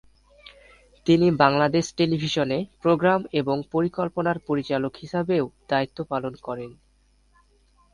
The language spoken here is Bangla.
তিনি বাংলাদেশ টেলিভিশনে প্রোগ্রাম এবং পরিকল্পনার পরিচালক হিসাবেও দায়িত্ব পালন করেন।